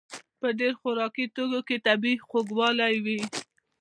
په ډېر خوراکي توکو کې طبیعي خوږوالی وي.